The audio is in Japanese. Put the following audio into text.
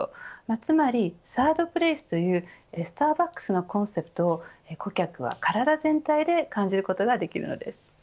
つまりサードプレイスというスターバックスのコンセプトを顧客は、体全体で感じることができるのです。